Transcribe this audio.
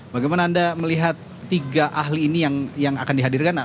bagaimana anda melihat tiga ahli ini yang akan dihadirkan